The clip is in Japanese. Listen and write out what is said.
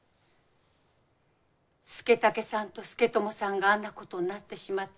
佐武さんと佐智さんがあんなことになってしまった